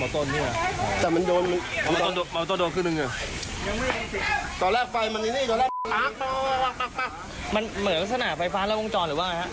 แต่มันโดน